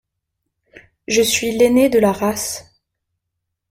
«Je suis l’aîné de la race.